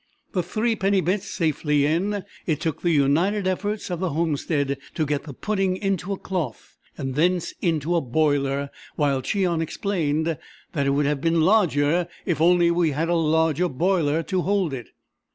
The threepenny bits safely in, it took the united efforts of the homestead to get the pudding into a cloth and thence into a boiler, while Cheon explained that it would have been larger if only we had had a larger boiler to hold it.